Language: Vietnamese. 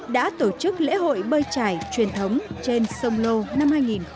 đã tổ chức lễ hội bơi chải truyền thống trên sông lô năm hai nghìn một mươi chín